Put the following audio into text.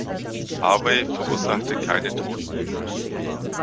Harvey verursachte keine Toten.